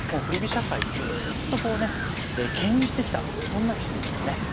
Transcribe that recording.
振り飛車界ずっとこうねけん引してきたそんな棋士ですよね。